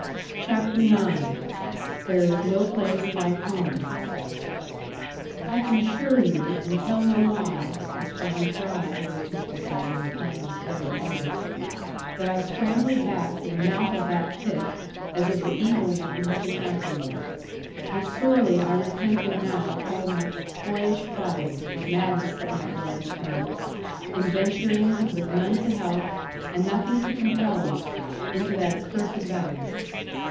CHAPTER IX THERE IS NO PLACE LIKE HOME I can assure you, and tell no lie (as John Fry always used to say, when telling his very largest), that I scrambled back to the mouth of that pit as if the evil one had been after me. And sorely I repented now of all my boyish folly, or madness it might well be termed, in venturing, with none to help, and nothing to compel me, into that accursed valley.